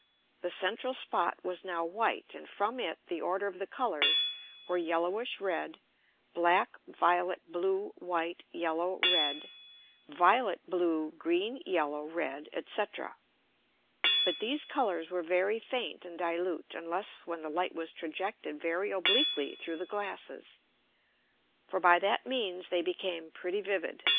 The central Spot was now white, and from it the order of the Colours were yellowish red; black, violet, blue, white, yellow, red; violet, blue, green, yellow, red, &c. But these Colours were very faint and dilute, unless when the Light was trajected very obliquely through the Glasses: For by that means they became pretty vivid.